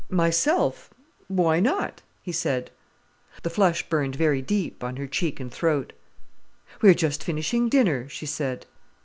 "Myself—why not?" he said. The flush burned very deep on her cheek and throat. "We are just finishing dinner," she said.